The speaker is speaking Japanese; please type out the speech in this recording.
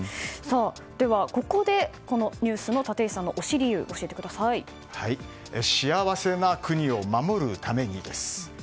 ここでこのニュースの立石さんの幸せな国を守るためにです。